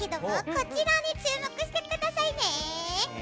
こちらに注目してくださいね。